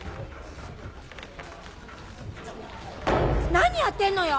何やってんのよ！